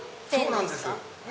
そうなんです。